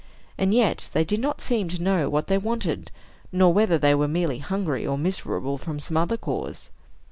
And yet they did not seem to know what they wanted, nor whether they were merely hungry, or miserable from some other cause.